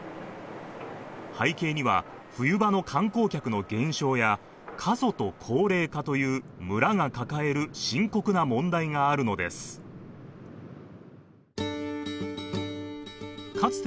背景には冬場の観光客の減少や過疎と高齢化という村が抱える深刻な問題があるのですか